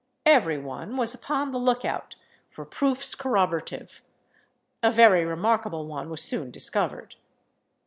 Every one was upon the look out for proofs corroborative; a very remarkable one was soon discovered.